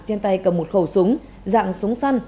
trên tay cầm một khẩu súng dạng súng săn